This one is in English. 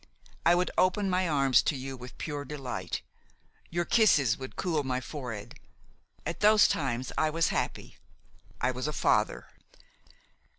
I would open my arms to you with pure delight; your kisses would cool my forehead. At those times I was happy; I was a father.